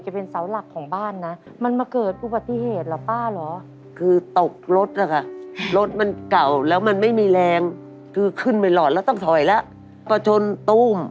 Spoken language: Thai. หันมาตีเราตกลงไปห่วงมาไปโคลยก็ทะหนน